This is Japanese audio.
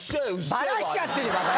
バラしちゃってるよ！